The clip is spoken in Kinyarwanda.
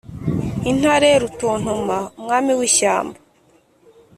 intare rutontoma umwami w'ishyamba